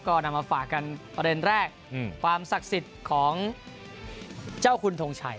ก็นำมาฝากกันประเด็นแรกความศักดิ์สิทธิ์ของเจ้าคุณทงชัย